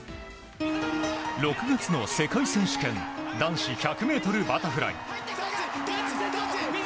６月の世界選手権男子１００ｍバタフライ。